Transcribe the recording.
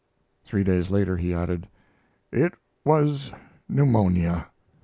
Three days later he added: It was pneumonia.